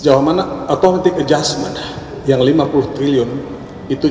mudah mudahan mahkamah konstitusi melihat urgensi dari kehadiran menteri pmk dalam persidangan di mahkamah konstitusi